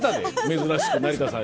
珍しく成田さんに。